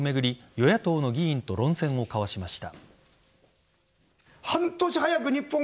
与野党の議員と論戦を交わしました。